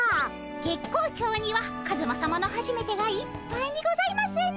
月光町にはカズマさまのはじめてがいっぱいにございますね。